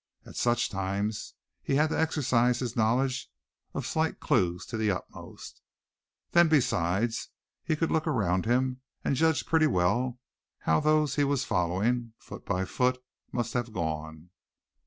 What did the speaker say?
At such times he had to exercise his knowledge of slight clues to the utmost. Then besides, he could look around him and judge pretty well how those he was following, foot by foot, must have gone.